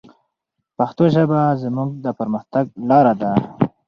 پښتو ژبه زموږ د پرمختګ لاره ده.